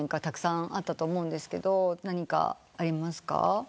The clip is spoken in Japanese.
たくさんあったと思うんですけど何かありますか？